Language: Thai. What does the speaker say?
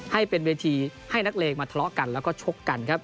ให้เป็นเวทีให้นักเลงมาทะเลาะกันแล้วก็ชกกันครับ